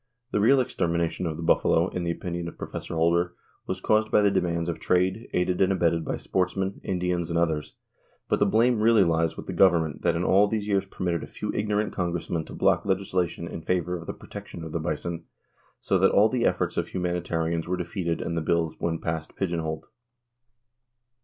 The real extermination of the buffalo, in the opinion of Prof. Holder, was caused by the demands of trade, aided and abetted by sportsmen, Indians, and others; but the blame really lies with the government that in all these years permitted a few ignorant congressmen to block legislation in favor of the protection of the bison, so that all the efforts of humanitarians were defeated and the bills when passed pigeon holed.